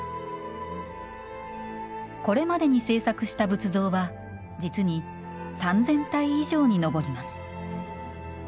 これまでに制作した仏像は実に３０００体以上に上ります。